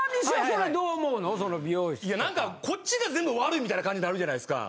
何かこっちが全部悪いみたいな感じなるじゃないですか。